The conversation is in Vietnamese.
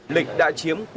lịch đã chiếm